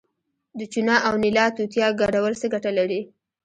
د چونه او نیلا توتیا ګډول څه ګټه لري؟